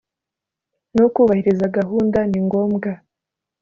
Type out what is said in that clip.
no kubahiriza gahunda ni ngombwa